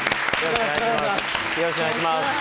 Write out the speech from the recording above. よろしくお願いします。